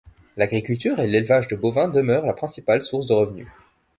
L'agriculture et l'élevage de bovins demeurent la principale source de revenus.